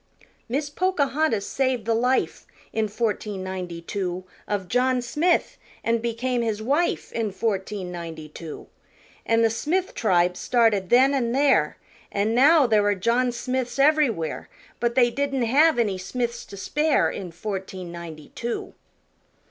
Miss Pocahontas saved the life In fourteen ninety two Of John Smith, an' became his wife In fourteen ninety two. An' the Smith tribe started then an' there, An' now there are John Smiths ev'rywhere, But they didn't have any Smiths to spare In fourteen ninety two.